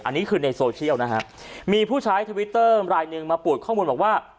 อันนี้คือในโซเชียลนะฮะมีผู้ใช้ทวิตเตอร์รายหนึ่งมาปูดข้อมูลบอกว่า